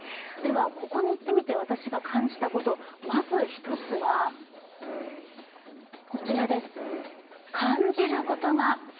ここに行ってみて私が感じたこと、まず１つ目はこちらです。